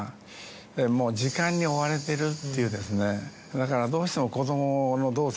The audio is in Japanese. だからどうしても。